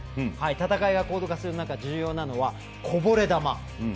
戦いが高度化する中で重要なのはこぼれ球。